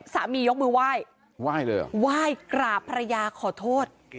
สามียกมือไหว่ไหว่กราบภรรยาขอโทษ